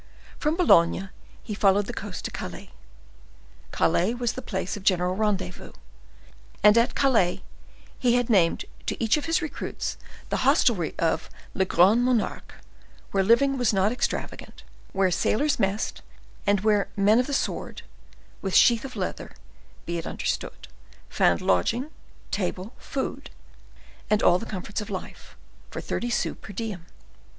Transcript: From Boulogne he followed the coast to Calais. Calais was the place of general rendezvous, and at Calais he had named to each of his recruits the hostelry of "Le Grande Monarque," where living was not extravagant, where sailors messed, and where men of the sword, with sheath of leather, be it understood, found lodging, table, food, and all the comforts of life, for thirty sous per diem.